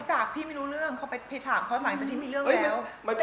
จากพี่ไม่รู้เรื่องเขาไปถามเขาหลังจากที่มีเรื่องแล้ว